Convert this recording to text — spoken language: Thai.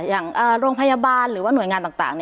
อย่างโรงพยาบาลหรือว่าหน่วยงานต่าง